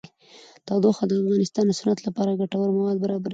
تودوخه د افغانستان د صنعت لپاره ګټور مواد برابروي.